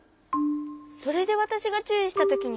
それでわたしがちゅういしたときに。